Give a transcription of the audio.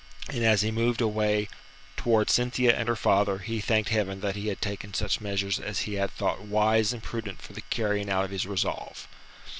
And as he moved away towards Cynthia and her father, he thanked Heaven that he had taken such measures as he had thought wise and prudent for the carrying out of his resolve.